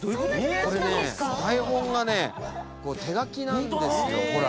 これね台本がね手書きなんですよほら。